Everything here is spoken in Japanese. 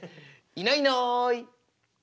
いないいない。